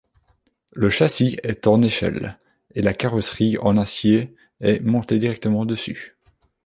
Le châssis est en échelle, et la carrosserie en acier est montée directement dessus.